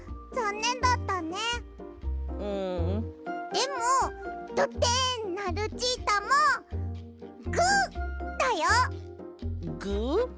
でもドテンなルチータもグッ！だよ！グッ？